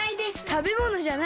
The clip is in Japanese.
たべものじゃないよ。